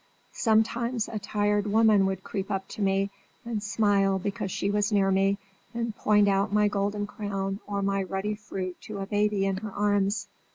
Sometimes a tired woman would creep up to me, and smile because she was near me, and point out my golden crown or my ruddy fruit to a baby in her arms.